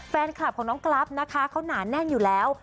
แฟนคลับของน้องกรัฟนะคะเขาหนาแน่นอยู่แล้ว